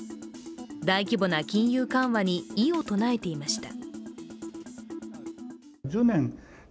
大規模な金融緩和に異を唱えていました。